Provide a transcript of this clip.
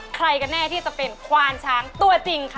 ใครกันแน่ที่จะเป็นควานช้างตัวจริงค่ะ